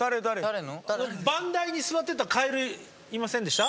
番台に座ってたカエルいませんでした？